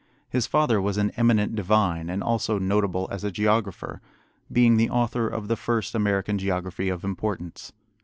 His father was an eminent divine, and also notable as a geographer, being the author of the first American geography of importance.